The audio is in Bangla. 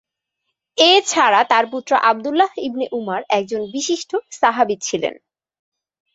এছাড়া তাঁর পুত্র আব্দুল্লাহ ইবনে উমার একজন বিশিষ্ট সাহাবী ছিলেন।